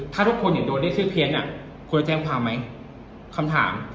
ถ้าทุกคนเนี่ยโดนเรียกชื่อเพี้ยนอ่ะคุณจะแจ้งความไหมคำถาม